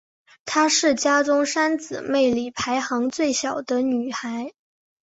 她是家中三姊妹里排行最小的女孩。